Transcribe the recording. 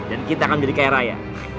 dan kita akan menjadi kaya raya